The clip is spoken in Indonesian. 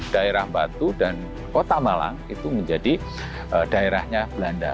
daerah batu dan kota malang itu menjadi daerahnya belanda